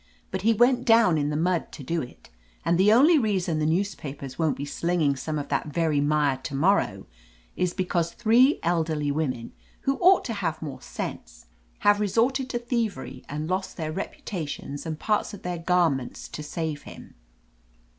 But he went down in the mud to do it. And the only reason the newspapers won't be slinging some of that very mire to morrow is because three elderly women, who ought to have more sense, have resorted to thievery and lost their repu tations and parts of their garments to save him!"